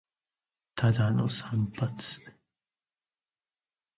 ただの散髪